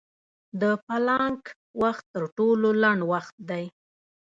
د پلانک وخت تر ټولو لنډ وخت دی.